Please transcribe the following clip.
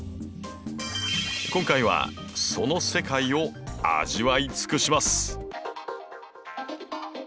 今回はその世界を味わい尽くします！